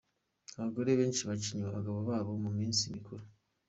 Abagore benshi baca inyuma abagabo babo mu minsi mikuru